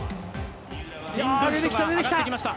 出てきた、出てきた。